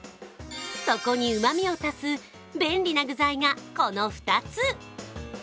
そこにうまみを足す便利な具材がこの２つ。